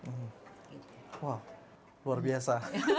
wah luar biasa